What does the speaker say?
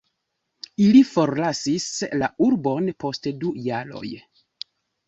Ili forlasis la urbon post du jaroj.